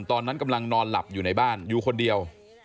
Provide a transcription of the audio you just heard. ตอนนั้นกำลังนอนหลับอยู่ในบ้านอยู่คนเดียว